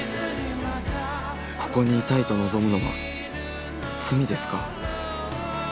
ここに居たいと望むのは罪ですか？